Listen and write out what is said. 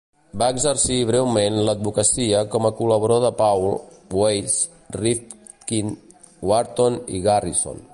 Va exercir breument l'advocacia com a col·laborador a Paul, Weiss, Rifkind, Wharton i Garrison.